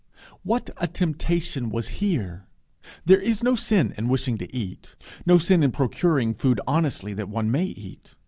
What a temptation was here! There is no sin in wishing to eat; no sin in procuring food honestly that one may eat.